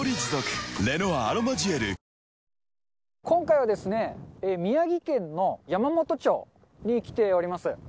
今回は、宮城県の山元町に来ております。